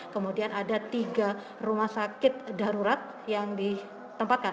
kemudian ada tiga rumah sakit darurat yang ditempatkan